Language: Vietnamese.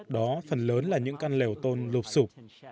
đó phần lớn là những căn lều tôn lột sụp